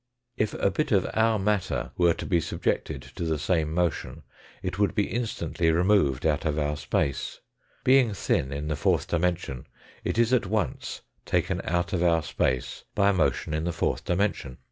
If a bit of our matter were to be subjected to the same motion it would be instantly removed out of our space. Being thin in the fourth dimension it is at once taken out of our space by a motion in the fourth dimension.